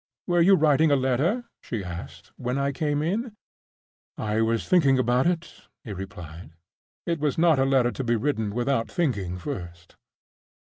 "Were you writing a letter," she asked, "when I came in?" "I was thinking about it," he replied. "It was not a letter to be written without thinking first."